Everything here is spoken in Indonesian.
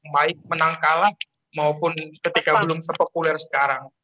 baik menang kalah maupun ketika belum sepopuler sekarang